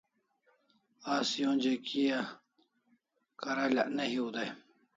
Asi onja kia karalak ne hiu dai